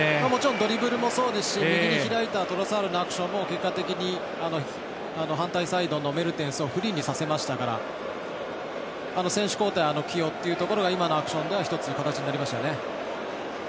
ドリブルもそうですし右に開いたトロサールのアクションも結果的に反対サイドのメルテンスをフリーにさせましたからあの選手交代の起用というのは一つ形になりましたよね。